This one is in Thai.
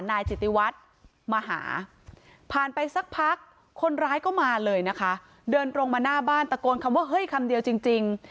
นายจิตติวัฒน์มาหาผ่านไปสักพักคนร้ายก็มาเลยนะคะเดินตรงมาหน้าบ้านตะโกนคำว่าเฮ้ยคำเดียวจริง